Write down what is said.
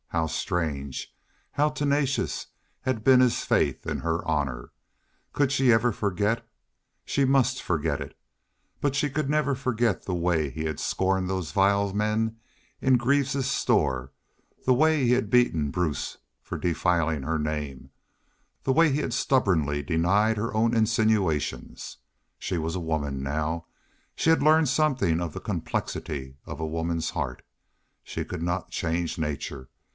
How strange, how tenacious had been his faith in her honor! Could she ever forget? She must forget it. But she could never forget the way he had scorned those vile men in Greaves's store the way he had beaten Bruce for defiling her name the way he had stubbornly denied her own insinuations. She was a woman now. She had learned something of the complexity of a woman's heart. She could not change nature.